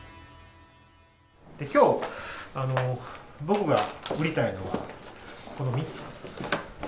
きょう、僕が売りたいのはこの３つ。